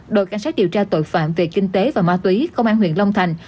đội cảnh sát điều tra tội phạm về kinh tế và ma túy công an huyện long thành